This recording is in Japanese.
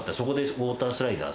ウオータースライダー？